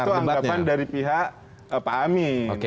itu anggapan dari pihak pak amin